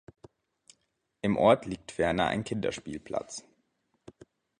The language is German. Im Ort liegt ferner ein Kinderspielplatz.